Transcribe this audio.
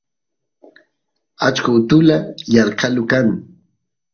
ashqo utula yarqalu kan